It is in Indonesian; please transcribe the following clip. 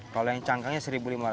kalau yang cangkangnya satu lima ratus